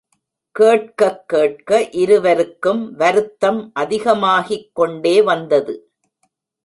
கேட்கக் கேட்க இருவருக்கும் வருத்தம் அதிகமாகிக்கொண்டே வந்தது.